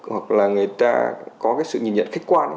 hoặc là người ta có cái sự nhìn nhận khách quan